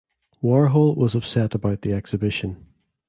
Warhol was upset about the exhibition.